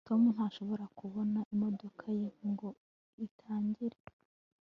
tom ntashobora kubona imodoka ye ngo itangire